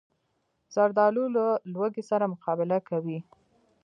زردالو له لوږې سره مقابله کوي.